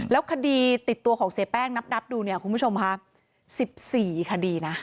แล้วคดีติดตัวของเสียแป้งนับดูเนี่ยคุณผู้ชมค่ะ๑๔คดีนะ